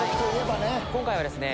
今回はですね